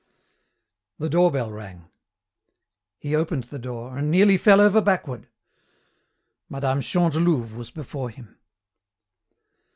The doorbell rang. He opened the door and nearly fell over backward. Mme. Chantelouve was before him.